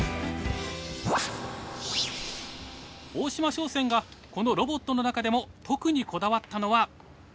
大島商船がこのロボットの中でも特にこだわったのは。